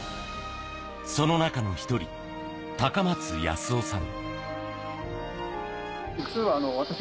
その中の１人、高松康雄さん。